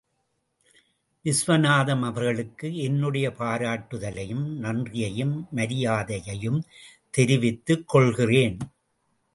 விசுவநாதம் அவர்களுக்கு என்னுடைய பாராட்டுதலையும், நன்றியையும், மரியாதையையும் தெரிவித்துக்கொள்கிறேன்.